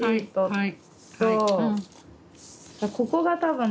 はい。